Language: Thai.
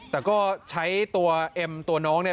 แต่ก็ใช้ตัวเอ็มตัวน้องเนี่ย